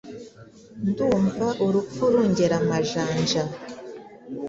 ndumva urupfu rungera amajanja